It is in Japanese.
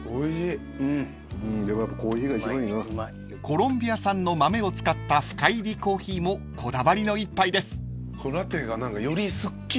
［コロンビア産の豆を使った深いりコーヒーもこだわりの１杯です］